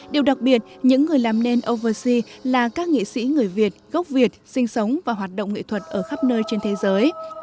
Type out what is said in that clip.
điều đặc biệt những người làm nên oversea là các nghệ sĩ người việt gốc việt sinh sống và hoạt động nghệ thuật ở khắp nơi trên thế giới